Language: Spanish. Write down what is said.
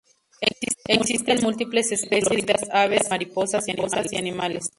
Existen múltiples especies de coloridas aves, mariposas y animales.